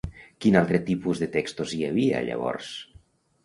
Quin altre tipus de textos hi havia llavors?